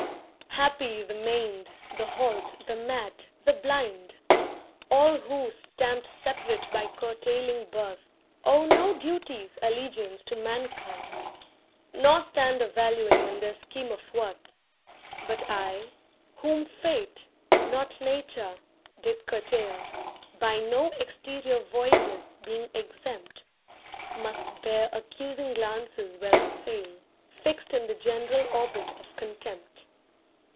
Happy the maimed, the halt, the mad, the blind— All who, stamped separate by curtailing birth, Owe no duty's allegiance to mankind Nor stand a valuing in their scheme of worth! But I, whom Fate, not Nature, did curtail, By no exterior voidness being exempt, Must bear accusing glances where I fail, Fixed in the general orbit of contempt.